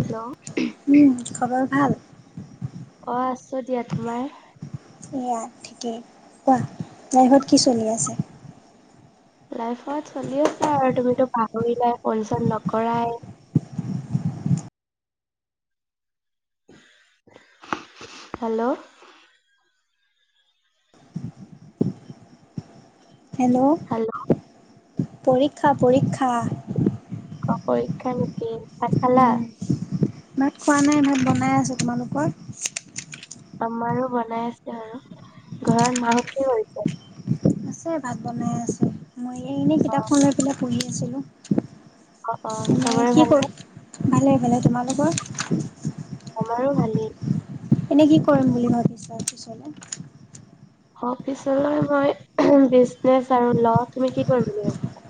Hello um খবৰ ভাল। অঁ আছো দিয়া তোমাৰ। এয়া ঠিকেই কোৱা ড্ৰাইভত কি চলি আছে। লাইফত চলি আছে আৰু তুমিতো পাহৰিলাই পচন নকৰাই। হেল্ল'। হেল্ল'। পৰীক্ষা পৰীক্ষা। পৰীক্ষা নীতি। ভাত খালা। উম। ভাত খোৱা নাই ভাত বনাই আছে তোমালোকৰ। আমাৰো বনাই আছে আৰু ঘৰত মাহত কি কৰিছে? আছে। ভাত বনাই আছে। মই এ ইনেই কিতাপখন লৈ পেলাই পঢ়ি। ছিলো অ' অ' চবৰে ভাল নে? ভালে ভালে তোমালোকৰ? আমাৰো ভালেই। এনেই কি কৰিম বুলি ভাবিছা পিছলে? অফিচলৈ মই [unintelligible] আৰু ল তুমি কি কৰিম বুলি ভাবিছা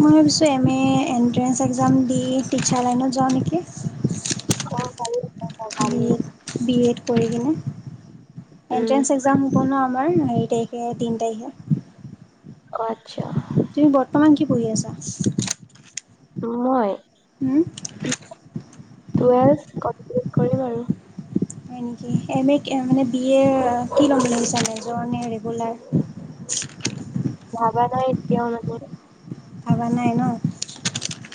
মই ভাবিছোঁ এম এ এণ্ট্ৰেন্ঞ্চ এক্সাম দি টিচাৰ লাইনত যাওঁ নেকি! [unintelligible] পৰি কিনে উম এণ্ট্ৰেন্ এক্সাম হ'ব ন? আমাৰ হেৰি তাৰিখে তিন তাৰিখে। অ' আচ্ছা তুমি বৰ্তমান কি পঢ়ি আছা? মই হুম, টুৱেলভ কমপ্লিট। কৰিম আৰু। হয় নেকি? এম এ মানে বি এ কি লম বুলি ভাবিছা মেজৰ ণে ৰেগুলাৰ? ভাবা নাই এতিয়াও মানে। ভাবা নাই ন?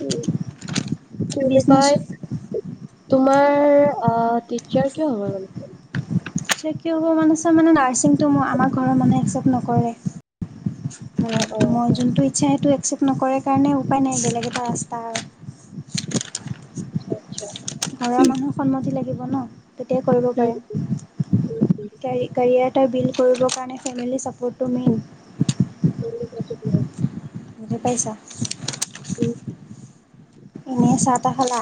উম, কি বুলি বিজনেছ কয় তোমাৰ টিচাৰ কিয় হ'ব মন আছে। টিচাৰ কিয় হ'ব মন আছে মানে নাৰছিংটো মোৰ আমাৰ ঘৰৰ মানুহে একচেপ্ট নকৰে। অ', ম অ', মই যোনটো ইচ্ছা সেইটো একচেপ্ট নকৰে কাৰণে উপায় নাই বেলেগ এটা ৰাস্তা আৰু আচ্ছা। ঘৰ মানুহৰ সন্মতি লাগিব ন? তেতিয়াই কৰিব পাৰে কেৰি কেৰিয়াত। বুইল্ড কৰিবৰ কাৰণে ফেমিলী ছাপ'ৰ্টটো মেইন। [unintelligible] বুজি পাইচা? ইনে চাহ তা খালা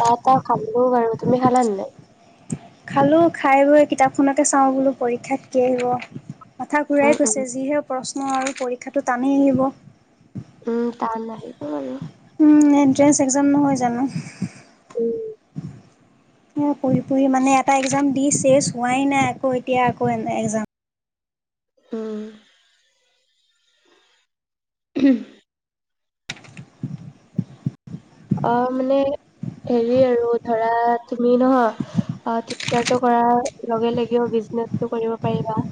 [unintelligible] খালোঁ বাৰু তুমি খালা নে নাই? খালো খাই বৈ কিতাপখনকে চাওঁ বোলো পৰীক্ষাত কি আহিব। মাথা উম, ঘূৰাই উম, গৈছে যিহে প্ৰশ্ন আৰু পৰীক্ষাটো টানেই আহিব। উম টান আহিব বাৰু উম এন্ট্ৰেস এক্সাম নহয় জানো। মোৰ পঢ়ি পঢ়ি মানে এটা এক্সাম দি চেচ হোৱাই নাই আকৌ এতিয়া আকৌ এন - এক্সাম। উম। [unintelligible] অ', মানে হেৰি আৰু ধৰা তুমি নহয় অ' টিচাৰটো কৰাৰ লগে লগেও বিজনেচটো কৰিব পাৰিবা।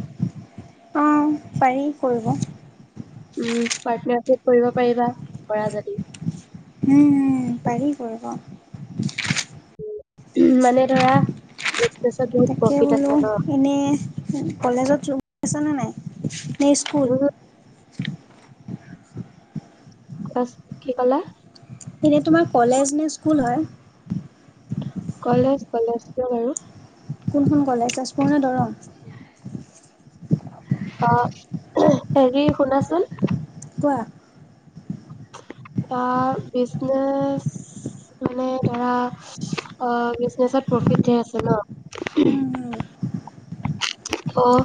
অঁ পাৰি কৰিব। উম, পাৰ্টনাৰশিপ কৰিব পাৰিবা কৰা যদি। উম উম, পাৰি কৰিব। উম, মানে ধৰা বিজনেচত বহুত তাকে প্ৰফিট আছে বোলো ন এনে কলেজত জো [unintelligible] নে স্কুল। বহুত কোৱাছোন কি কলা? এনে তোমাৰ কলেজ নে স্কুল হয়? কলেজ কলেজ কিয় বাৰু? কোনখন কলেজ? তেজপুৰ নে দৰং? অ', হেৰি শুনাচোন? কোৱা? অ' বিজনেছ মানে ধৰা অ' বিজনেচত প্ৰফিট ধেৰ আছে ন'। উম উম ত'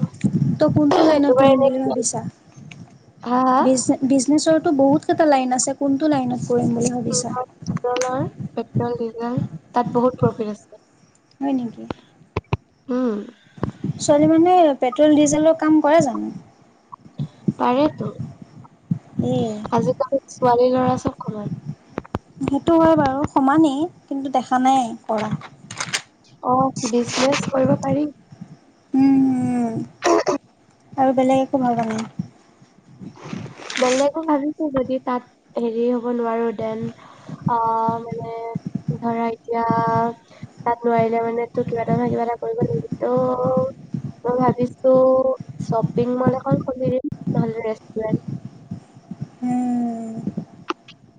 ত', কোনটো লাইনত তোমাৰ পঢ়িম এনে বুলি ভাবিছা? হা বিজনে - বিজনেচৰটো বহুত কেটা লাইন আছে, কোনটো লাইন আছে কৰিম বুলি ভাবিছা। হা পেট্ৰলৰ পেট্ৰল, ডিজেল তাত বহুত প্ৰফিট আছে। হয় নকি? উম। ছোৱালী মানুহে পেট্ৰল, ডিজেলৰ কাম কৰে জানো? পাৰেতো। এ আজিকালি ছোৱালী, ল'ৰা চব সমান। সেইটো হয় বাৰু সমানেই কিন্তু দেখা নাই কৰা। অ', বিজনেচ কৰিব পাৰি। উম্ আৰু বেলেগ একো ভাবা নাই? বেলেগো ভাবিছো যদি তাত হেৰি হ'ব নোৱাৰো দেন, অ' মানে ধৰা এতিয়া তাত নোৱাৰিলে মানে তো' কিবা এটা নহয় কিবা এটা কৰিব লাগিব, তো' মই ভাবিছো শ্বপিং মল এখন খুলি দিম ন'হলে ৰেচ [unintelligible]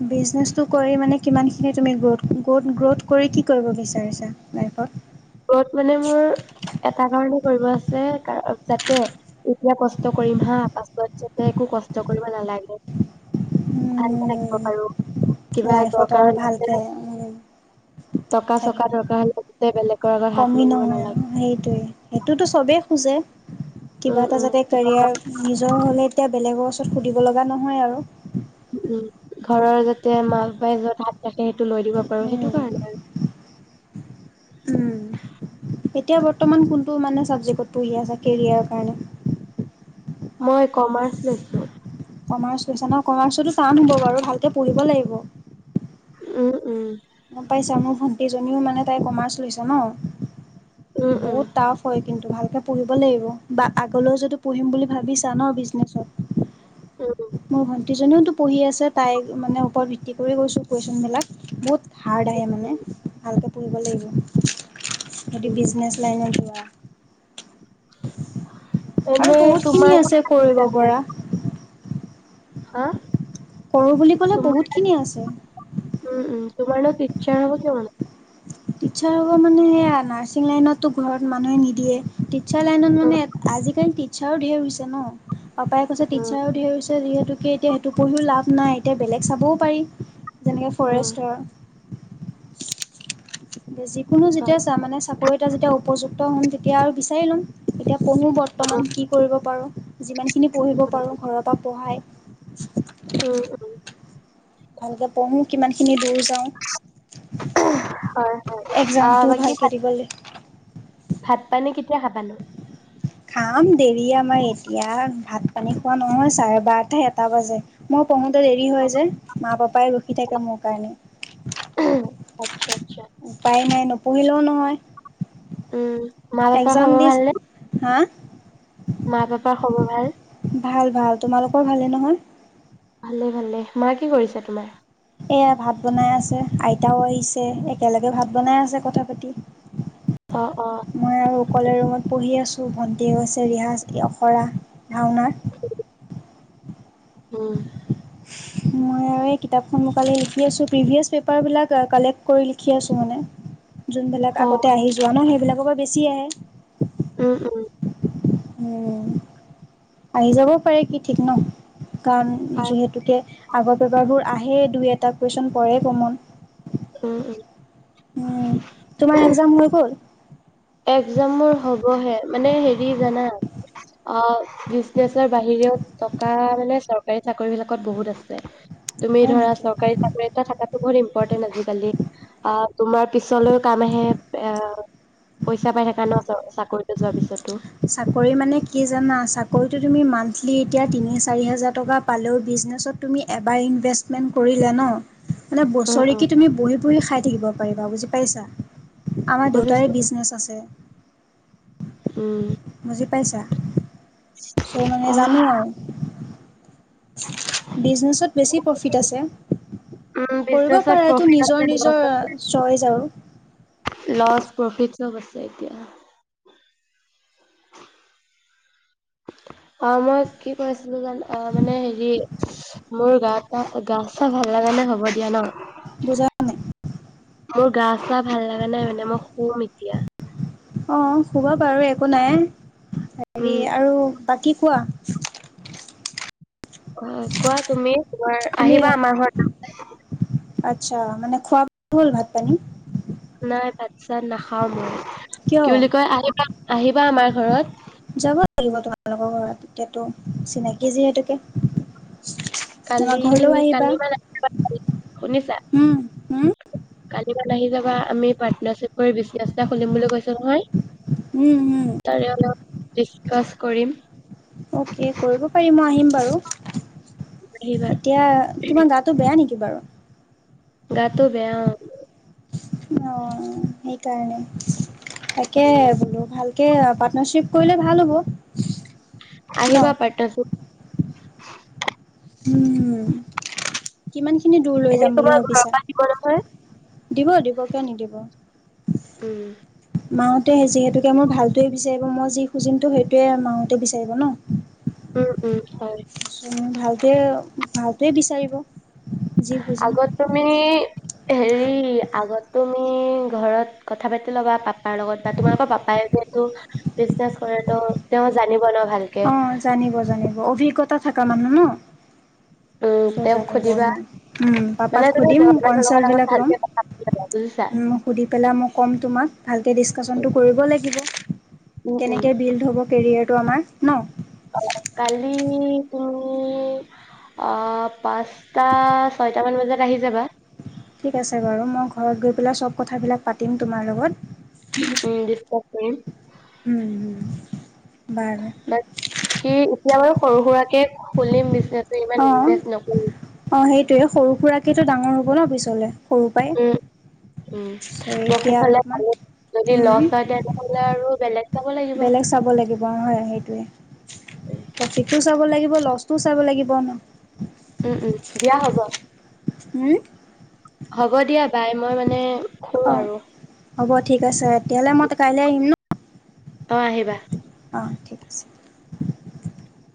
বিজনেছটো কৰি মানে কিমানখিনি তুমি গ্ৰোথ - গত - গ্ৰোথ কৰি কি কৰিব বিচাৰিছা লাইফত? গ্ৰোথ মানে মোৰ এটা কাৰণে কৰিব আছে কাৰ - যাতে এতিয়া কষ্ট কৰিম হা, পাছত যাতে একো কষ্ট কৰিব নালাগে, ভালকে থাকিব উম পাৰো। কিবা লাইফত দৰকাৰ আৰু ভালকে হলে, উম টকা চকা থাকিব। দৰকাৰ হলে গোটেই বেলেগ কমি নহয় আৰু সেইটোৱে। সেইটোতো চবে খোজে। উম কিবা এটা উম যাতে কিবা কেৰিয়াৰ নিজৰ হ'লে তেতিয়া বেলেগো পিছত সুধিব লগা নহয় আৰু। উম ', ঘৰৰ যাতে মা -বাপাই যত হাত ৰাখে সেইটো লৈ দিব পাৰো সেইটো উম, কাৰণে আৰু। এতিয়া বৰ্তমান কোনটো মানে ছাবজেক্টত পঢ়ি আছা কেৰিয়াৰৰ কাৰণে? মই কমাৰ্চ লৈছো কমাৰ্চ লৈছা ন কমাৰ্চো টান হ'ব বাৰু ভালকে পঢ়িব লাগিব। উম উম। গন পাইছা মোৰ ভণ্টিজনীও মানে তাই কমাৰ্চ লৈছে ন। উম উম বহুত টাফ হয় কিন্তু ভাল। পঢ়িব লাগিব বা আগলৈও যদি পঢ়িম বুলি ভাবিছা ন বিজনেচত। উম মই ভাল। ভন্তিজনিও তো পঢ়ি আছে তাই মানে ওপৰত ভিত্তি কৰি কৈছোঁ কুৱেশচনবিলাক বহুত হাৰ্ড আহে মানে ভালকৈ পঢ়িব লাগিব। যদি বিজনে লাইনত যোৱা। আৰু এনে বহুতখিনি তোমাৰ আছে কৰিব পৰা। হা পঢ়ো বুলি ক'লে তোমাৰ বহুতখিনি আছে। উম উম তোমাৰ নত ইচ্ছা হব ক। টিচাৰ হকল মানে সেয়া নাৰ্ছিং লাইনতো ঘৰত মানুহে নিদিয়ে। টিচাৰ লাইনত উম, মানে আজিকালি। চাউ ঢেৰ হৈছে ন পাপাই কৈছে উম, টিচাৰ ও ধেৰ হৈছে যিহেতুকে এয়া সেইটো পঢ়িও লাভ নাই এতিয়া বেলেগ চাবও পাৰি। যেনেকে উম, ফৰেষ্টৰ। যিকোনো যেতিয়া মানে চাকৰি এটা যেতিয়া উপযুক্ত হ'ম তেতিয়া আৰু বিচাৰি ল'ম। এতিয়া আপুনি বৰ্তমান কি কৰিব পাৰোঁ। যিমানখিনি পঢ়িব পাৰোঁ ঘৰৰ পৰা পঢ়াই উম, উম, ভালকে পঢ়ো কিমানখিনি দূৰ যাওঁ। হয় হয় এক্সামটো বাকি। ভালকে দিবলৈ ভাত পানি কেতিয়া খাবা নো? খাম দেৰি আমাৰ এতিয়া ভাত পানী খোৱা নহয় চাৰে বাৰটা এটা বাজে। মই কওঁতে দেৰি হয় যে মা পাপাই ৰখি থাকে মোৰ কাৰণে আচ্ছা, আচ্ছা, উপায় নাই। নপঢ়িলেও নহয়। উম মা পাপা একজাম খবৰ দিছ ভাল নে? হা মা পাপাৰ খবৰ ভাল। ভাল ভাল তোমালোকৰ ভালেই নহয়। ভালে ভালে মা কি কৰিছে তোমাৰ? এতিয়া ভাত বনাই আছে আইতাও আহিছে একেলগে ভাত বনাই আছে কথা পাতি। অঁ অঁ মই আৰু অকলে ৰুমত পঢ়ি আছোঁ ভণ্টি গৈছে ৰিহাজ অখৰা। ভাওনাৰ। উম মই আৰু এই কিতাপখন মকালে লিখি আছোঁ প্ৰিভিয়াছ পেপাৰবিলাক কালেক্ট কৰি লিখি আছোঁ মানে। যোনবিলাক অ', আগতে আহি যোৱা ন সেইবিলাক কৰবা বেছি আহে উম উম উম উম আহি যাব পাৰে কি ঠিক ন কাৰণ পাৰ যিহেতুকে আগৰ পেপাৰবোৰ আহে দুই এটা কুৱেশ্যন পৰে কমন। উম, উম, উম, তোমাৰ এক্সজাম হৈ গ'ল? এক্সজামৰ মোৰ হৈ গ'ল। অঁ হে মানে হেৰি জানা! অঁ বিজনেচৰ বাহিৰেও টকা মানে চৰকাৰী চাকৰি বিলাকত বহুত আছে। তুমি হয় ধৰা নেকি চৰকাৰী চাকৰিত থাকা বহুত ইম্পৰ্টেন্ট আজিকালি আহ তোমাৰ পিছলৈও কাম আহে এ পইচা পাই থাককা ন চ চাকৰিতো যোৱাৰ পিছতো। চাকৰি মানে কি জানা চাকৰিটো তুমি মান্থলি এতিয়া তিনি চাৰি হাজাৰ টকা পালেও বিজনেছত তুমি এবাৰ ইনভেষ্টমেণ্ট কৰিলে ন মানে উম উম বছৰেক তুমি বহি পুৰি খাই থাকিব পাৰিবা বুজি পাইছা। আমাৰ বুজিছো দেউতাৰে বিজনেছ আছে। উম পইছা, চ' মানে আহ জানো আৰু বিজনেছত বেছি প্ৰফিট আছে উম কৰিব বিজনেচত পৰেতো প্ৰফিট আছে নিজৰ লছ নিজৰ চইজ আৰু। চ বছে এতিয়া আহ [unintelligible] অ মই কি কৈছিলো জান অ মানে হেৰি মোৰ গা গা চা ভাল লগাগা নে হব দিয়া ন। বুজা নাই। [unintelligible] মোৰ গা চা ভাল লগা নাই মানে মই শুম এতিয়া। অ শুব পাৰো একো নাই। হেৰি উম। আৰু বা কোৱা! অ কোৱা তুমি, তোমাৰ তুমি আহিবা আমাৰ ঘৰত। আচ্ছা মানে খোৱা বোৱা হ'ল ভাত পানী। নাই চাত নাখাওঁ মই। কিয়? কি বুলি কয় আহিবা আহিবা আমাৰ। ঘৰত। যাব লাগিব তোমালোকৰ ঘৰত এতিয়াতো চিনাকি যিহেতুকে। আমাৰ কালি, ঘৰলৈও আহিবা। কালি বা ৰাতিুৱা শুনিছা হম। কালিমানে আহি যাবা আমি পাৰ্টনাৰশিপ কৰি বিজনেছ এটা খুলিম বুলি কৈছো নহয়। উম উম। ডিছকাচ কৰিম। অ'কে কৰিব পাৰি মই আহিম বাৰু। আহিবা এতিয়া তোমাৰ গাটো বেয়া নেকি? কি বাৰু। গটো বেয়া। অঁ, সেইকাৰণে তাকে বোলো ভালকে পাৰ্টনাৰশিপ কৰিলে ভাল হ'ব। ন আহিবা পাটনা। [unintelligible] উম কিমান। দূৰ লৈ এনে যাম বুলি তোমাৰ ঘৰৰ ভাবিছা? পৰা দিব নহয় দিব দিব কিয় নিদিব। উম মাওঁতে যিহেতুকে মোৰ ভালটোৱেই বিচাৰিব মই যি খুজিমতো সেইটোৱে মাওঁতে বিচাৰিব ন। উম উম, হয়। ভালটোৱে ভালটোৱে বিচাৰিব। যি খুজিম আগত তুমি। হেৰি আগত তুমি ঘৰত কথা পাতি ল'বা পাপাৰ লগত বা তোমালোকৰ পাপাই যিহেতু বিজনেছ কৰে তো তেওঁ জানিব নহ। অঁ, জানিব জানিব অভিজ্ঞতা। থকা মানুহ ন। উম তেওঁক সুধিবা পাপাক মানে তুমি সুধিম, ঘৰৰ মানুহৰ লগত আগত ভালকে কথা পাতিবা বুজিছা। সুধি পেলাই কম তোমাক, ভালকে দিছকাচন কৰিব উম, উম, কে বিল [unintelligible] ফটোমাৰ [unintelligible] ন। কালি তুমি আহ পাঁচটা ছয়ট মান বজাত আহি যাবা। ঠিক আছে বাৰু, মই ঘৰত গৈ পেলাই সব কথাবিলাক পাতিম তোমাৰ লগত। [unintelligible] উম হম। কি এতিয়া। সৰু সুৰাকে খুলিম অ অ বিনে। [unintelligible] সৰু সুৰাকৈতো ডাঙৰ হ'ব ন পিছলৈ। উ উ চ' এতিয়া প্ৰফিট হলে অলপমান ভাল যদি লছ হয় উম তেনেহলে আৰু বেলেগ চাব লাগিব। বেলেগ চাব লাগিব হয় আহ তে তাকেই তো চাব লাগিবতো লছ তো চাব লাগিব ন উম উম দিয়া হ'ব হুম্ হ'ব দিয়া বাই মই মানে খো অ আৰু হ'ব ঠিক আছে তেতিয়াহ'লে মই কাইলৈ আহিম ন অঁ আহিবা অঁ ঠিক আছে